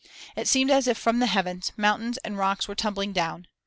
It seemed as if from the heavens, mountains and rocks were tumbling down.